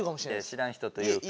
知らん人というか。